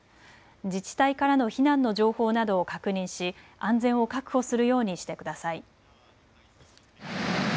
自治体からの避難の情報などを確認し安全を確保するようにしてください。